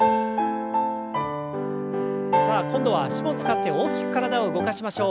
さあ今度は脚も使って大きく体を動かしましょう。